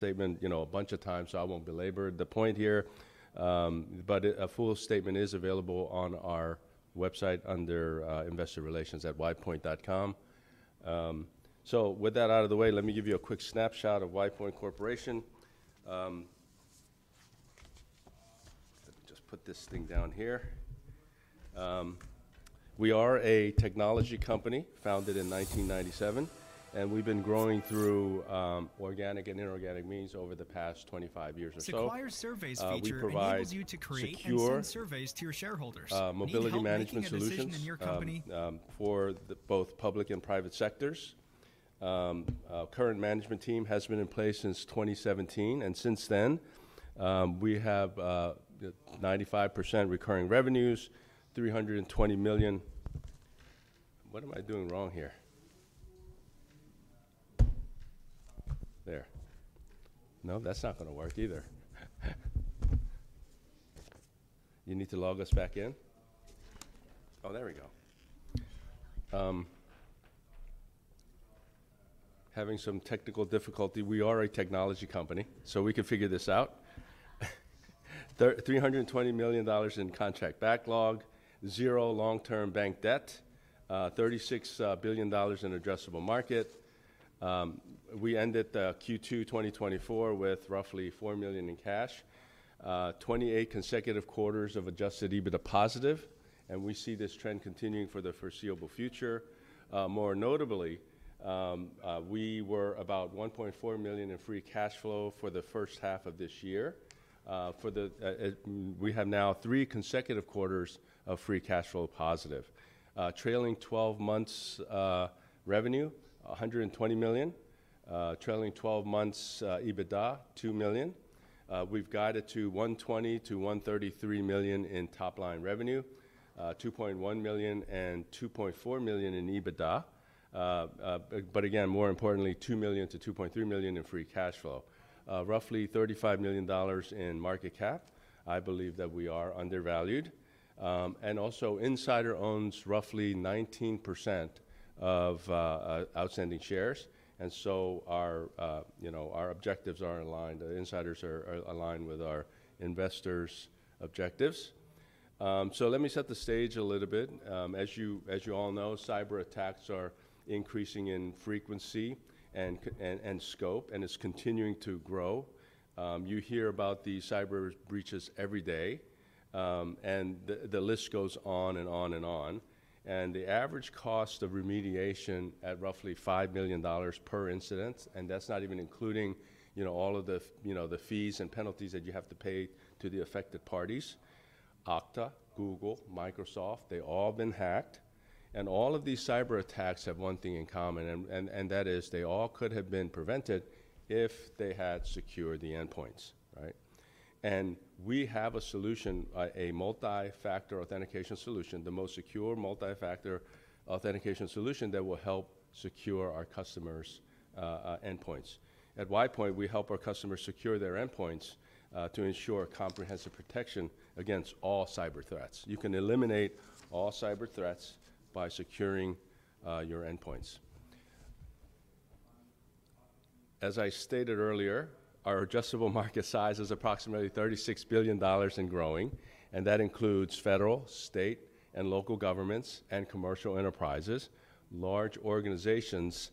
Statement, you know, a bunch of times, so I won't belabor it. The point here, but a full statement is available on our website under investorrelations@widepoint.com. So with that out of the way, let me give you a quick snapshot of WidePoint Corporation. Let me just put this thing down here. We are a technology company founded in 1997, and we've been growing through organic and inorganic means over the past 25 years or so. It's acquired surveys feature that enables you to create and send surveys to your shareholders. Mobility management solutions. Mobility management solutions in your company. for both public and private sectors. Our current management team has been in place since 2017, and since then, we have 95% recurring revenues, $320 million—what am I doing wrong here? There. No, that's not gonna work either. You need to log us back in? Oh, there we go. Having some technical difficulty. We are a technology company, so we can figure this out. $320 million in contract backlog, zero long-term bank debt, $36 billion in addressable market. We ended the Q2 2024 with roughly $4 million in cash, 28 consecutive quarters of Adjusted EBITDA positive, and we see this trend continuing for the foreseeable future. More notably, we were about $1.4 million in free cash flow for the first half of this year. For the, we have now three consecutive quarters of free cash flow positive. Trailing 12 months revenue $120 million. Trailing 12 months EBITDA $2 million. We've guided to $120 million-$133 million in top-line revenue, $2.1 million and $2.4 million in EBITDA. But again, more importantly, $2 million-$2.3 million in free cash flow. Roughly $35 million in market cap. I believe that we are undervalued. And also, Insider owns roughly 19% of outstanding shares, and so our, you know, our objectives are aligned. The Insiders are aligned with our investors' objectives. So let me set the stage a little bit. As you all know, cyber attacks are increasing in frequency and scope, and it's continuing to grow. You hear about the cyber breaches every day, and the list goes on and on and on. And the average cost of remediation at roughly $5 million per incident, and that's not even including, you know, all of the, you know, the fees and penalties that you have to pay to the affected parties, Okta, Google, Microsoft. They've all been hacked. And all of these cyber attacks have one thing in common, and that is they all could have been prevented if they had secured the endpoints, right? And we have a solution, a multi-factor authentication solution, the most secure multi-factor authentication solution that will help secure our customers, endpoints. At WidePoint, we help our customers secure their endpoints, to ensure comprehensive protection against all cyber threats. You can eliminate all cyber threats by securing your endpoints. As I stated earlier, our adjustable market size is approximately $36 billion and growing, and that includes federal, state, and local governments, and commercial enterprises, large organizations,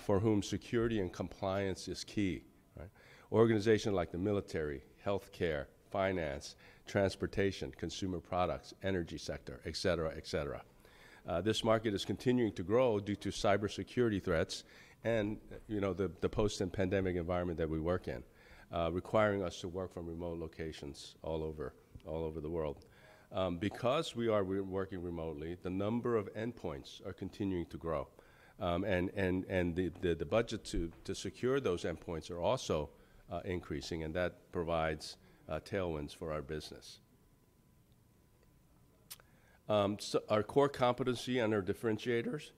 for whom security and compliance is key, right? Organizations like the military, healthcare, finance, transportation, consumer products, energy sector, etc., etc. This market is continuing to grow due to cybersecurity threats and, you know, the post-pandemic environment that we work in, requiring us to work from remote locations all over the world. Because we are working remotely, the number of endpoints are continuing to grow. And the budget to secure those endpoints are also increasing, and that provides tailwinds for our business. Our core competency and our differentiators,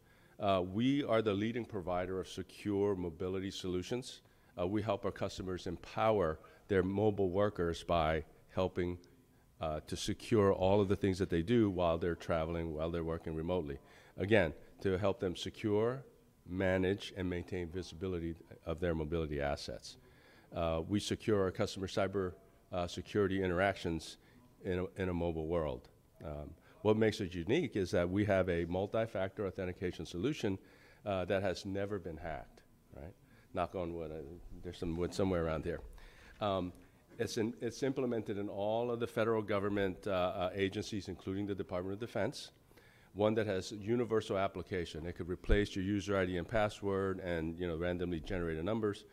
we are the leading provider of secure mobility solutions. We help our customers empower their mobile workers by helping to secure all of the things that they do while they're traveling, while they're working remotely. Again, to help them secure, manage, and maintain visibility of their mobility assets. We secure our customers' cyber security interactions in a mobile world. What makes it unique is that we have a multi-factor authentication solution that has never been hacked, right? Knock on wood, there's some wood somewhere around here. It's implemented in all of the federal government agencies, including the Department of Defense. One that has universal application. It could replace your user ID and password and, you know, randomly generated numbers.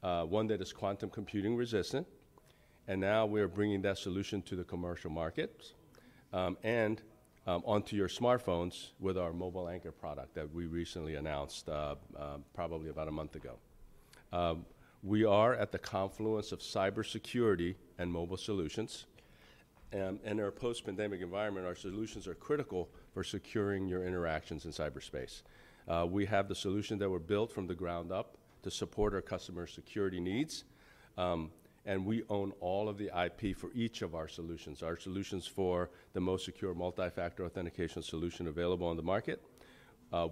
One that is quantum computing resistant. Now we are bringing that solution to the commercial markets, and onto your smartphones with our MobileAnchor product that we recently announced, probably about a month ago. We are at the confluence of cybersecurity and mobile solutions. In our post-pandemic environment, our solutions are critical for securing your interactions in cyberspace. We have the solution that were built from the ground up to support our customer security needs. And we own all of the IP for each of our solutions, our solutions for the most secure multi-factor authentication solution available on the market.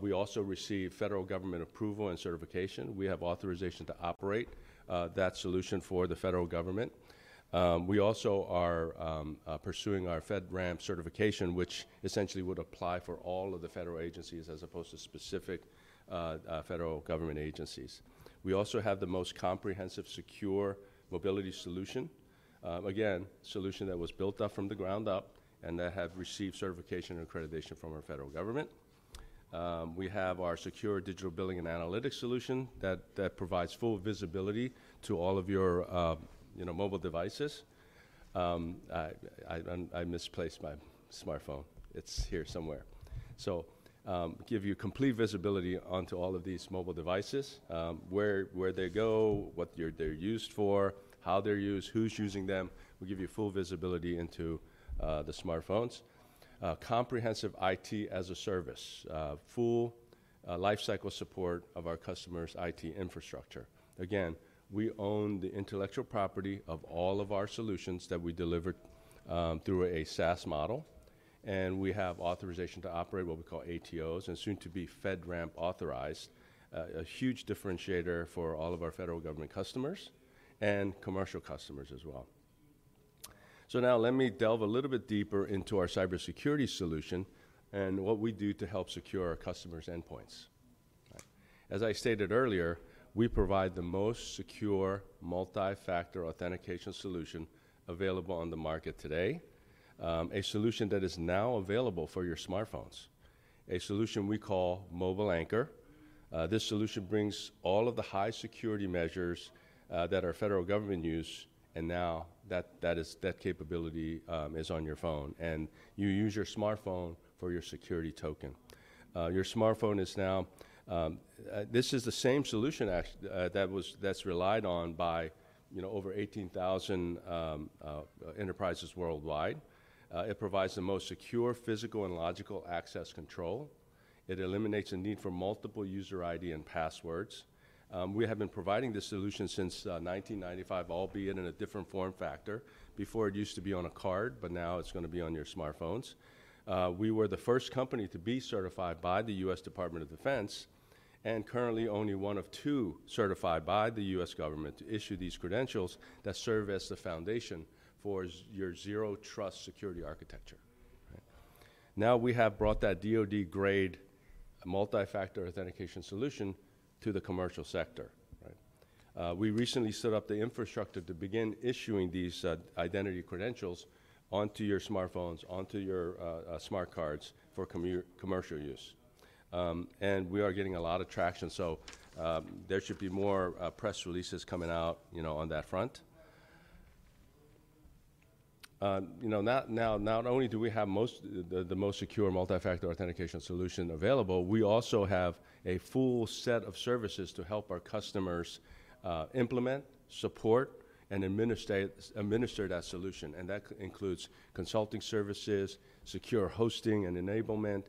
We also receive federal government approval and certification. We have authorization to operate, that solution for the federal government. We also are pursuing our FedRAMP certification, which essentially would apply for all of the federal agencies as opposed to specific federal government agencies. We also have the most comprehensive secure mobility solution. Again, solution that was built up from the ground up and that have received certification and accreditation from our federal government. We have our secure digital billing and analytics solution that provides full visibility to all of your, you know, mobile devices. I misplaced my smartphone. It's here somewhere. So, give you complete visibility onto all of these mobile devices, where they go, what they're used for, how they're used, who's using them. We give you full visibility into the smartphones. Comprehensive IT as a service, full lifecycle support of our customer's IT infrastructure. Again, we own the intellectual property of all of our solutions that we delivered through a SaaS model, and we have authorization to operate what we call ATOs and soon to be FedRAMP authorized, a huge differentiator for all of our federal government customers and commercial customers as well. So now let me delve a little bit deeper into our cybersecurity solution and what we do to help secure our customers' endpoints. As I stated earlier, we provide the most secure multi-factor authentication solution available on the market today, a solution that is now available for your smartphones, a solution we call MobileAnchor. This solution brings all of the high security measures that our federal government uses, and now that capability is on your phone, and you use your smartphone for your security token. Your smartphone is now. This is the same solution, actually, that was, that's relied on by, you know, over 18,000 enterprises worldwide. It provides the most secure physical and logical access control. It eliminates the need for multiple user ID and passwords. We have been providing this solution since 1995, albeit in a different form factor. Before, it used to be on a card, but now it's gonna be on your smartphones. We were the first company to be certified by the U.S. Department of Defense and currently only one of two certified by the U.S. government to issue these credentials that serve as the foundation for your Zero Trust Security Architecture, right? Now we have brought that DoD-grade multi-factor authentication solution to the commercial sector, right? We recently set up the infrastructure to begin issuing these identity credentials onto your smartphones, onto your smart cards for commercial use. We are getting a lot of traction, so there should be more press releases coming out, you know, on that front. You know, not only do we have the most secure multi-factor authentication solution available, we also have a full set of services to help our customers implement, support, and administer that solution. And that includes consulting services, secure hosting and enablement,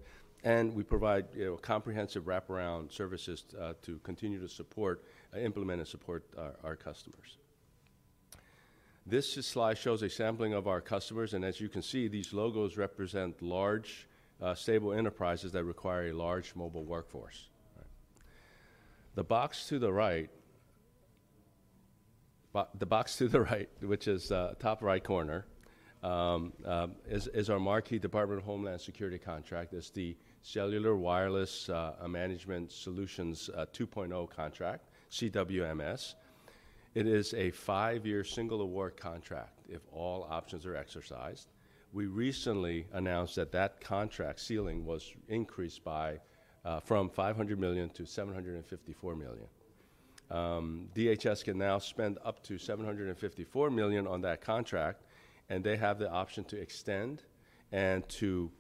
and we provide, you know, comprehensive wraparound services to continue to support, implement, and support our customers. This slide shows a sampling of our customers, and as you can see, these logos represent large, stable enterprises that require a large mobile workforce, right? The box to the right, which is top right corner, is our marquee Department of Homeland Security contract. It's the Cellular Wireless Management Solutions 2.0 contract, CWMS. It is a five-year single award contract if all options are exercised. We recently announced that the contract ceiling was increased from $500 million-$754 million. DHS can now spend up to $754 million on that contract, and they have the option to extend and to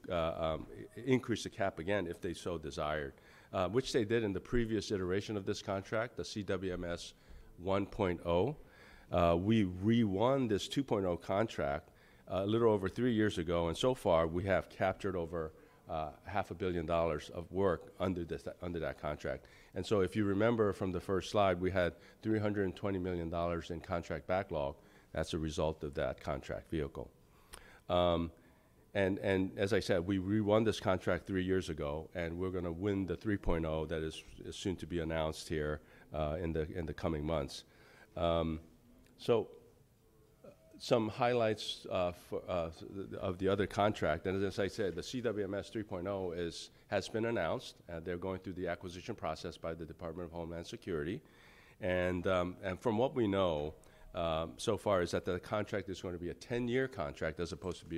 increase the cap again if they so desired, which they did in the previous iteration of this contract, the CWMS 1.0. We rewon this 2.0 contract a little over three years ago, and so far we have captured over $500 million of work under that contract. So if you remember from the first slide, we had $320 million in contract backlog as a result of that contract vehicle. And as I said, we rewon this contract three years ago, and we're gonna win the 3.0 that is soon to be announced here in the coming months. Some highlights of the other contract. As I said, the CWMS 3.0 is, has been announced, and they're going through the acquisition process by the Department of Homeland Security. From what we know so far is that the contract is gonna be a 10-year contract as opposed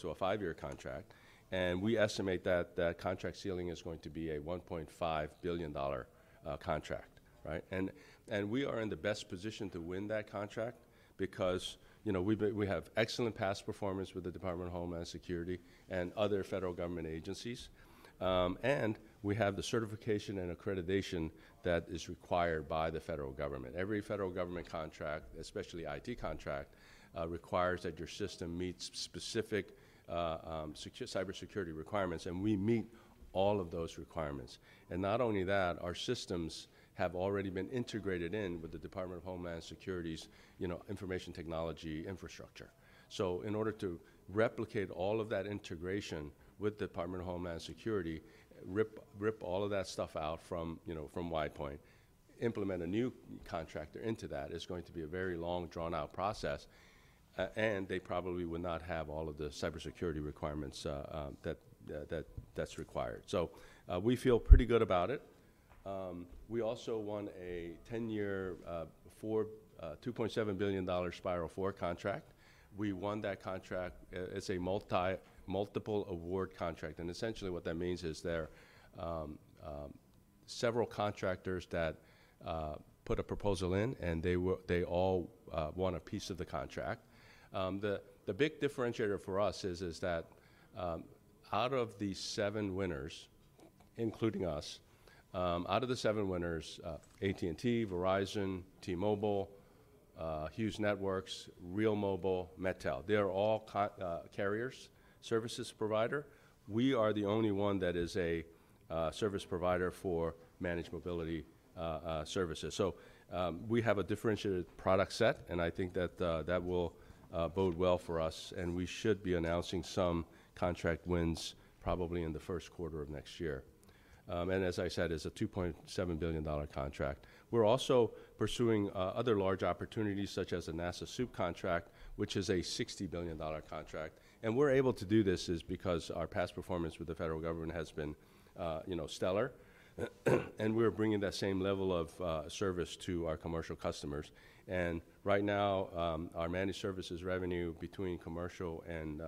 to a five-year contract. We estimate that that contract ceiling is going to be a $1.5 billion contract, right? We are in the best position to win that contract because, you know, we have excellent past performance with the Department of Homeland Security and other federal government agencies, and we have the certification and accreditation that is required by the federal government. Every federal government contract, especially IT contract, requires that your system meets specific, secure cybersecurity requirements, and we meet all of those requirements. And not only that, our systems have already been integrated in with the Department of Homeland Security's, you know, information technology infrastructure. So in order to replicate all of that integration with the Department of Homeland Security, rip, rip all of that stuff out from, you know, from WidePoint, implement a new contractor into that is going to be a very long, drawn-out process, and they probably would not have all of the cybersecurity requirements, that, that's required. So, we feel pretty good about it. We also won a 10-year, four, $2.7 billion Spiral 4 contract. We won that contract, it's a multiple award contract. And essentially what that means is there are several contractors that put a proposal in, and they all won a piece of the contract. The big differentiator for us is that, out of the seven winners, including us, AT&T, Verizon, T-Mobile, Hughes Network Systems, REAL Mobile, MetTel, they're all carrier service providers. We are the only one that is a service provider for managed mobility services. So, we have a differentiated product set, and I think that will bode well for us, and we should be announcing some contract wins probably in the first quarter of next year. As I said, it's a $2.7 billion contract. We're also pursuing other large opportunities such as a NASA SEWP contract, which is a $60 billion contract. We're able to do this because our past performance with the federal government has been, you know, stellar, and we're bringing that same level of service to our commercial customers. And right now, our managed services revenue between commercial and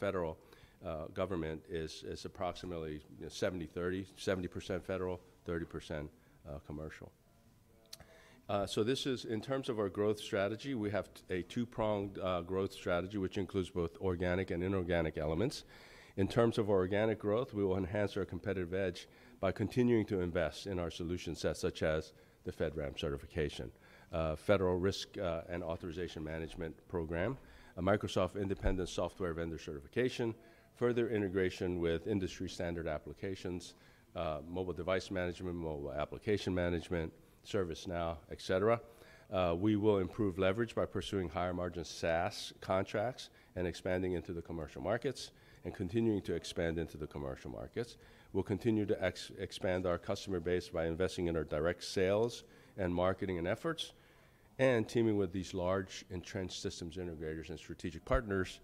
federal government is approximately, you know, 70/30, 70% federal, 30% commercial. So this is in terms of our growth strategy, we have a two-pronged growth strategy, which includes both organic and inorganic elements. In terms of organic growth, we will enhance our competitive edge by continuing to invest in our solution sets such as the FedRAMP certification, Federal Risk and Authorization Management Program, a Microsoft Independent Software Vendor Certification, further integration with industry standard applications, mobile device management, mobile application management, ServiceNow, et cetera. We will improve leverage by pursuing higher margin SaaS contracts and expanding into the commercial markets and continuing to expand into the commercial markets. We'll continue to expand our customer base by investing in our direct sales and marketing efforts and teaming with these large entrenched systems integrators and strategic partners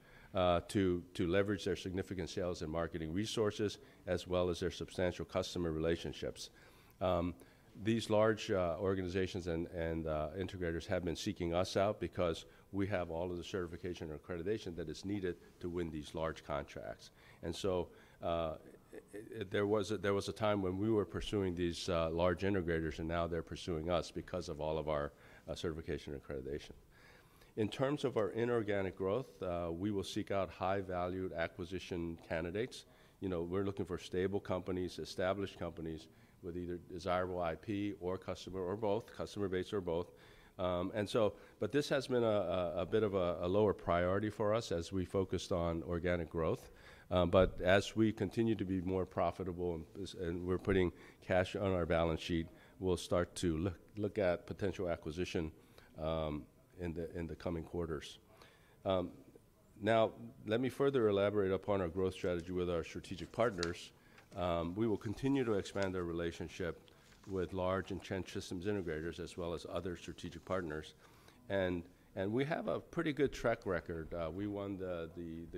to leverage their significant sales and marketing resources as well as their substantial customer relationships. These large organizations and integrators have been seeking us out because we have all of the certification and accreditation that is needed to win these large contracts, and so there was a time when we were pursuing these large integrators, and now they're pursuing us because of all of our certification and accreditation. In terms of our inorganic growth, we will seek out high-valued acquisition candidates. You know, we're looking for stable companies, established companies with either desirable IP or customer base or both. And so, but this has been a bit of a lower priority for us as we focused on organic growth. But as we continue to be more profitable and we're putting cash on our balance sheet, we'll start to look at potential acquisition in the coming quarters. Now let me further elaborate upon our growth strategy with our strategic partners. We will continue to expand our relationship with large entrenched systems integrators as well as other strategic partners. And we have a pretty good track record. We won the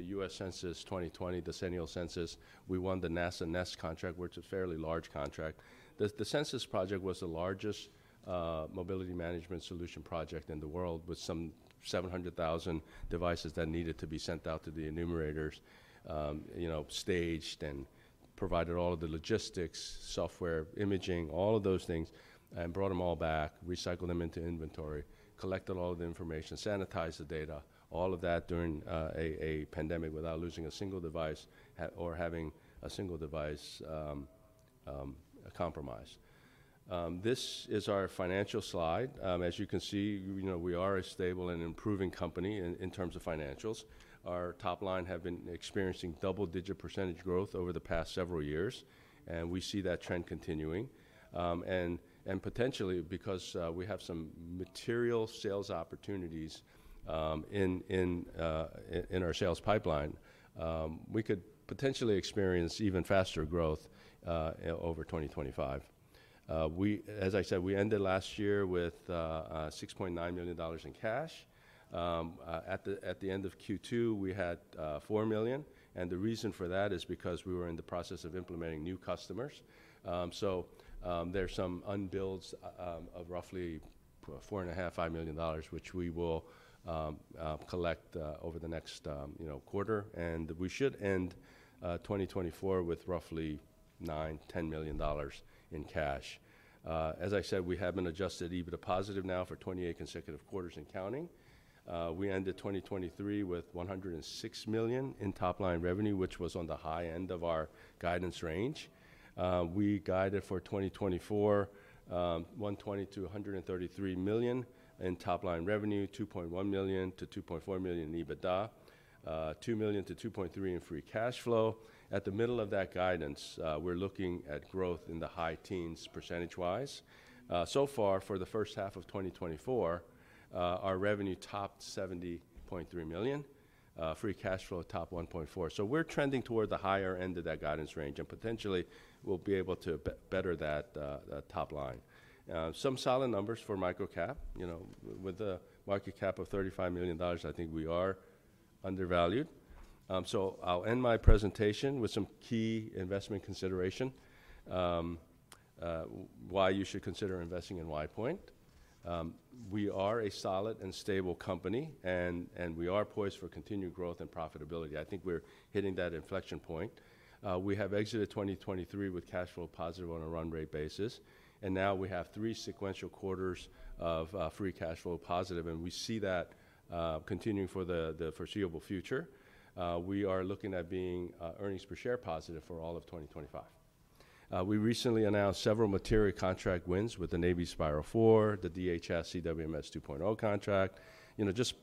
U.S. Census 2020, the 2020 Census. We won the NASA NEST contract, which is a fairly large contract. The Census Project was the largest mobility management solution project in the world with some 700,000 devices that needed to be sent out to the enumerators, you know, staged and provided all of the logistics, software, imaging, all of those things, and brought them all back, recycled them into inventory, collected all of the information, sanitized the data, all of that during a pandemic without losing a single device or having a single device compromised. This is our financial slide. As you can see, you know, we are a stable and improving company in terms of financials. Our top line have been experiencing double-digit % growth over the past several years, and we see that trend continuing, and potentially because we have some material sales opportunities in our sales pipeline, we could potentially experience even faster growth over 2025. We, as I said, we ended last year with $6.9 million in cash. At the end of Q2, we had $4 million. The reason for that is because we were in the process of implementing new customers. So, there's some unbilled of roughly $4.5 million, which we will collect over the next, you know, quarter. We should end 2024 with roughly $9 million-$10 million in cash. As I said, we haven't Adjusted EBITDA positive now for 28 consecutive quarters and counting. We ended 2023 with $106 million in top line revenue, which was on the high end of our guidance range. We guided for 2024 $120-$133 million in top line revenue, $2.1 million-$2.4 million in EBITDA, $2 million-$2.3 million in Free Cash Flow. At the middle of that guidance, we're looking at growth in the high teens %. So far for the first half of 2024, our revenue topped $70.3 million, free cash flow topped $1.4 million, so we're trending toward the higher end of that guidance range and potentially we'll be able to better that, that top line. Some solid numbers for microcap, you know, with a market cap of $35 million, I think we are undervalued, so I'll end my presentation with some key investment consideration, why you should consider investing in WidePoint. We are a solid and stable company, and we are poised for continued growth and profitability. I think we're hitting that inflection point. We have exited 2023 with cash flow positive on a run rate basis, and now we have three sequential quarters of Free Cash Flow positive, and we see that continuing for the foreseeable future. We are looking at being earnings per share positive for all of 2025. We recently announced several material contract wins with the Navy Spiral 4, the DHS CWMS 2.0 contract. You know, just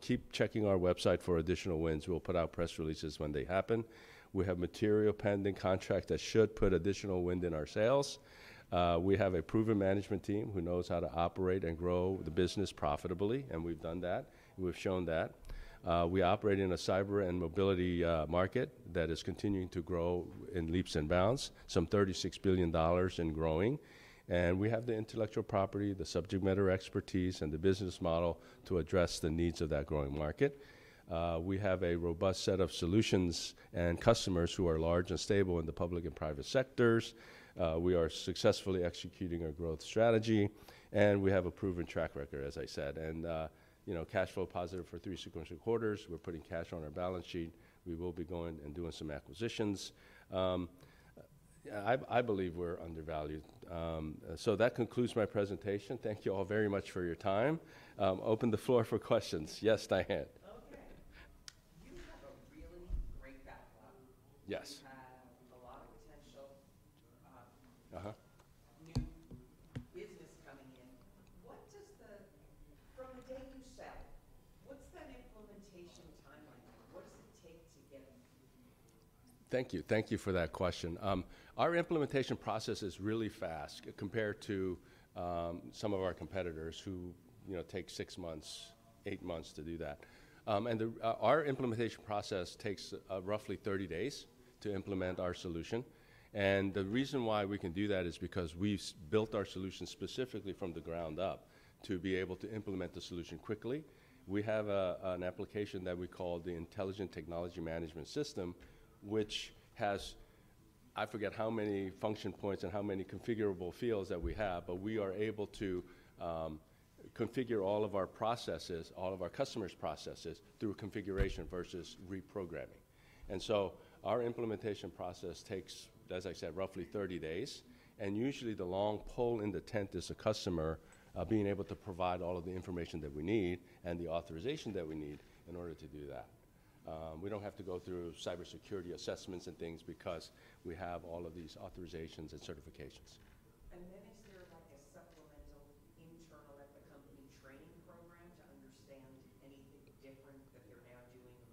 keep checking our website for additional wins. We'll put out press releases when they happen. We have material pending contracts that should put additional wind in our sails. We have a proven management team who knows how to operate and grow the business profitably, and we've done that. We've shown that. We operate in a cyber and mobility market that is continuing to grow in leaps and bounds, some $36 billion and growing. And we have the intellectual property, the subject matter expertise, and the business model to address the needs of that growing market. We have a robust set of solutions and customers who are large and stable in the public and private sectors. We are successfully executing our growth strategy, and we have a proven track record, as I said. You know, cash flow positive for three sequential quarters. We're putting cash on our balance sheet. We will be going and doing some acquisitions. I believe we're undervalued. So that concludes my presentation. Thank you all very much for your time. Open the floor for questions. Yes, Diane. Okay. You have a really great backlog. Yes. A lot of potential. New business coming in. What does the from the day you sell, what's that implementation timeline like? What does it take to get? Thank you. Thank you for that question. Our implementation process is really fast compared to some of our competitors who, you know, take six months, eight months to do that. And our implementation process takes roughly 30 days to implement our solution. And the reason why we can do that is because we've built our solution specifically from the ground up to be able to implement the solution quickly. We have an application that we call the Intelligent Technology Management System, which has, I forget how many function points and how many configurable fields that we have, but we are able to configure all of our processes, all of our customers' processes through configuration versus reprogramming. And so our implementation process takes, as I said, roughly 30 days. And usually the long pole in the tent is a customer being able to provide all of the information that we need and the authorization that we need in order to do that. We don't have to go through cybersecurity assessments and things because we have all of these authorizations and certifications. And then is there like a supplemental internal at the company training program to understand anything different that they're now doing?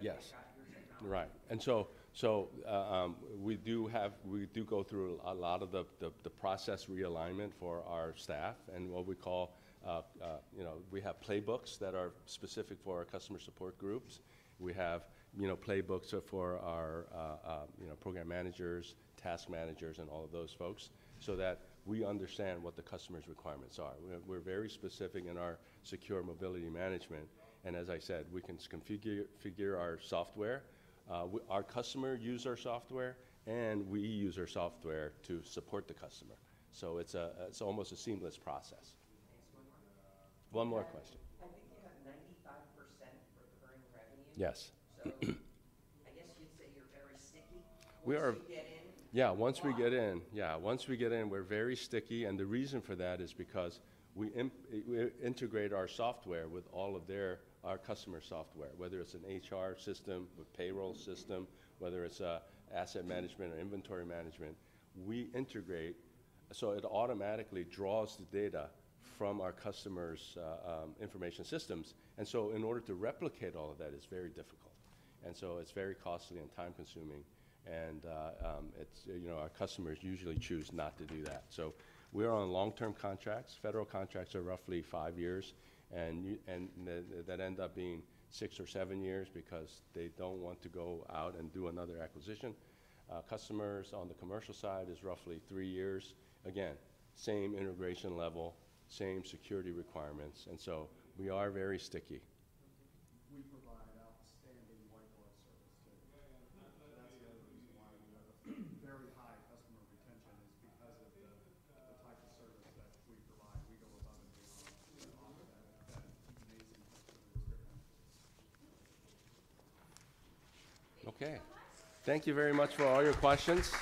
Yes. You got your technology. Right. And so we do have. We do go through a lot of the process realignment for our staff and what we call, you know, we have playbooks that are specific for our customer support groups. We have, you know, playbooks for our, you know, program managers, task managers, and all of those folks so that we understand what the customer's requirements are. We're very specific in our secure mobility management. And as I said, we can configure our software. Our customer uses our software and we use our software to support the customer. So it's almost a seamless process. Can I ask one more question? I think you have 95% recurring revenue. Yes. So I guess you'd say you're very sticky. We are. Once you get in. Yeah. Once we get in, yeah. Once we get in, we're very sticky. And the reason for that is because we integrate our software with all of their, our customer's software, whether it's an HR system, a payroll system, whether it's an asset management or inventory management. We integrate, so it automatically draws the data from our customer's information systems. And so in order to replicate all of that, it's very difficult. And so it's very costly and time-consuming. And it's, you know, our customers usually choose not to do that. So we are on long-term contracts. Federal contracts are roughly five years, and that ends up being six or seven years because they don't want to go out and do another acquisition. Customers on the commercial side is roughly three years. Again, same integration level, same security requirements, and so we are very sticky. We provide outstanding white-glove service too. That's the other reason why we have a very high customer retention is because of the type of service that we provide. We go above and beyond to offer that amazing customer experience. Okay. Thank you very much for all your questions.